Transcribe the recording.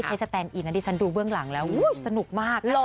อย่างนั้นเลย